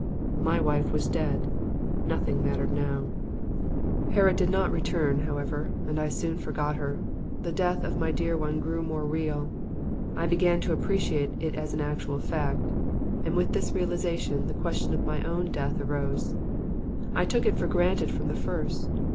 My wife was dead. Nothing mattered now. "Harratt did not return, however, and I soon forgot her. The death of my dear one grew more real. I began to appreciate it as an actual fact. And with this realization, the question of my own death arose. I took it for granted from the first.